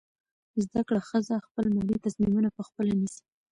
زده کړه ښځه خپل مالي تصمیمونه پخپله نیسي.